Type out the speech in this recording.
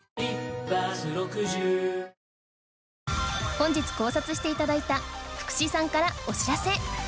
本日考察して頂いた福士さんからお知らせ